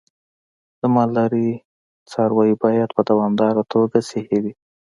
د مالدارۍ څاروی باید په دوامداره توګه صحي وي.